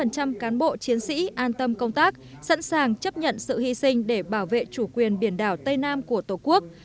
một trăm linh cán bộ chiến sĩ an tâm công tác sẵn sàng chấp nhận sự hy sinh để bảo vệ chủ quyền biển đảo tây nam của tổ quốc